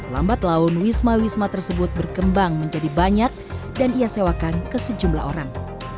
lambat laun wisma wisma tersebut berkembang menjadi banyak dan ia sewakan ke sejumlah orang